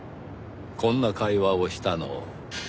こんな会話をしたのを。